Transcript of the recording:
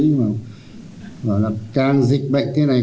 nhưng mà bảo là càng dịch bệnh thế này